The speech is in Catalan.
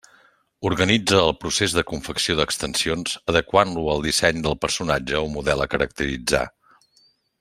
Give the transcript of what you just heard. Organitza el procés de confecció d'extensions adequant-lo al disseny del personatge o model a caracteritzar.